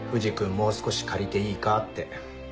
もう少し借りていいかって。